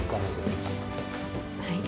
「はい。